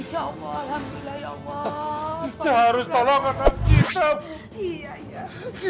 ya allah alhamdulillah ya allah